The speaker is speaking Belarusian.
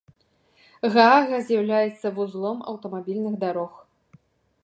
Гаага з'яўляецца вузлом аўтамабільных дарог.